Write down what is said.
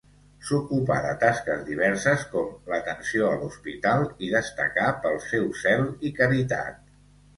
S'ocupà de tasques diverses, com l'atenció a l'hospital i destacà pel seu zel i caritat.